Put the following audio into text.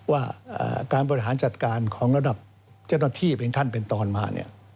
ว่าการบริหารจัดการของณที่เป็นท่านเป็นตอนมา